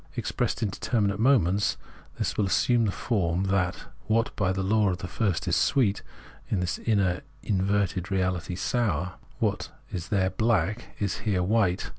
Expressed in determinate moments, this will assume the form that what by the law of the first is sweet, is, in this inner, inverted reality, sour ; what is there black is here white.